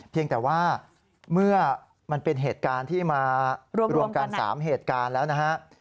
เพียงแต่ว่าเมื่อมันเป็นเหตุการณ์ที่มารวมกัน๓เหตุการณ์แล้วนะฮะ